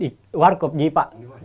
di wargop pak